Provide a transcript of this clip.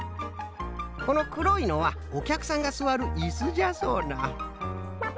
このくろいのはおきゃくさんがすわるいすじゃそうな。